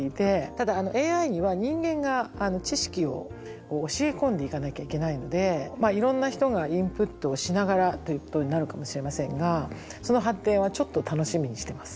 ただＡＩには人間が知識を教え込んでいかなきゃいけないのでいろんな人がインプットをしながらということになるかもしれませんがその発展はちょっと楽しみにしてます。